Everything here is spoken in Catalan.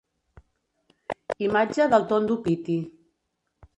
Imatge del Tondo Pitti.